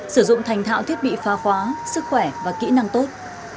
sử dụng thành thạo thiết bị pha khóa sức khỏe và kỹ năng tốt